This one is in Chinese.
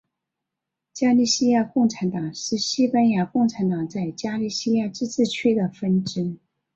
加利西亚共产党是西班牙共产党在加利西亚自治区的分支。